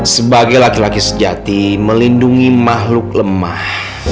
sebagai laki laki sejati melindungi makhluk lemah